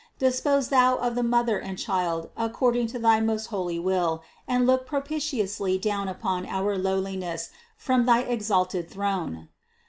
Dispose Thou of the mother and Child according to thy most holy will and look pro THE CONCEPTION 265 pitiously down upon our lowliness from thy exalted throne.